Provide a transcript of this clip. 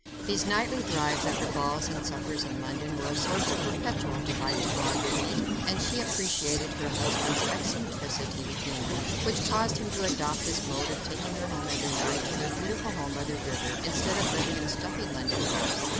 These nightly drives after balls and suppers in London were a source of perpetual delight to Marguerite, and she appreciated her husband's eccentricity keenly, which caused him to adopt this mode of taking her home every night, to their beautiful home by the river, instead of living in a stuffy London house.